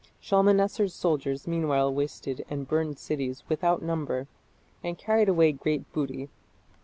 Shalmaneser's soldiers meanwhile wasted and burned cities without number, and carried away great booty.